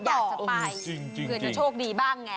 อยากจะไปเผื่อจะโชคดีบ้างไง